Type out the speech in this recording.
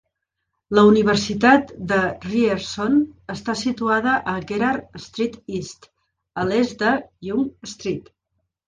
La Universitat de Ryerson està situada a Gerrard Street East, a l'est de Yonge Street.